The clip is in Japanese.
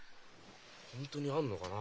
本当にあるのかな？